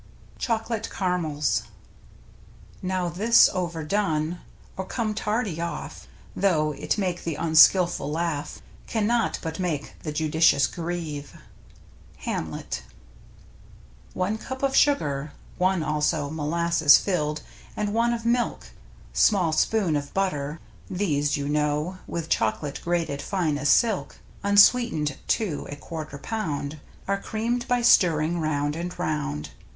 ^%>. 54 J^ CHOCOLATE CARAMELS Now this overdone, or come tardy off, though it make the unskilful laugh, cannot but make the judicious grieve. — Hamlet. One cup of sugar, one also Molasses filled, and one of milk. Small spoon of butter — these, you know, With chocolate, grated fine as silk (Unsweetened, too, a quarter pound). Are creamed by stirring round and round.